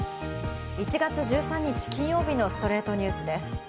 １月１３日、金曜日の『ストレイトニュース』です。